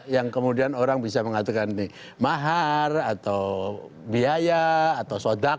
yang kemudian orang bisa mengatakan ini mahar atau biaya atau sodak